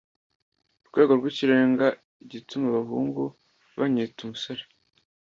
Rwego rwikirenga igituma abahungu banyita umusore